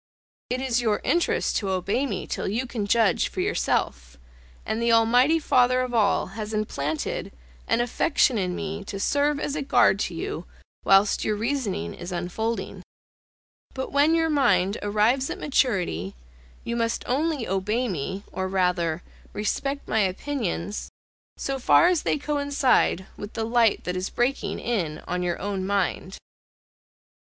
It is your interest to obey me till you can judge for yourself; and the Almighty Father of all has implanted an affection in me to serve as a guard to you whilst your reason is unfolding; but when your mind arrives at maturity, you must only obey me, or rather respect my opinions, so far as they coincide with the light that is breaking in on your own mind.